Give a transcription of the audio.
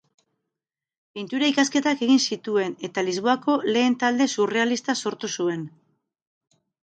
Pintura-ikasketak egin zituen, eta Lisboako lehen talde surrealista sortu zuen.